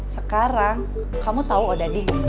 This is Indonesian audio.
sekarang kamu tau odadi